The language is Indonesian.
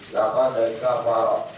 lapa dari kabar